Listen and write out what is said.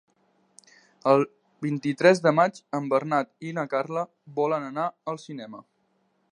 El vint-i-tres de maig en Bernat i na Carla volen anar al cinema.